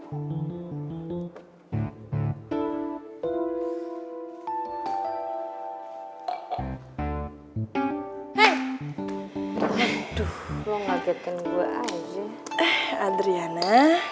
hai hai aduh lu ngajakin gua aja eh adriana